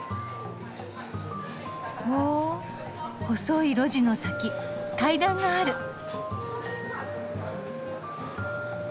ほ細い路地の先階段がある。